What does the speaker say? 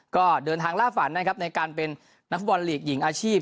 ก็เดินทางล่าฝันนะครับในการเป็นนักฟุตบอลลีกหญิงอาชีพ